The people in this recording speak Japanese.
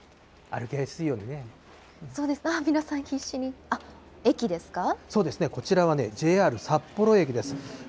そうですね、皆さん、そうですね、こちらはね、ＪＲ札幌駅です。